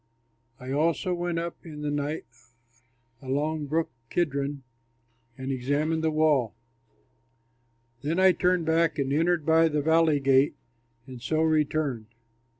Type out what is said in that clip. I also went up in the night along the Brook Kidron and examined the wall; then I turned back and entered by the Valley Gate and so returned.